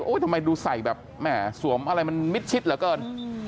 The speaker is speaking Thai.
โอ๊ยทำไมดูใส่แบบแม่รบสวมอะไรมันมิตชิดเหรอเกิน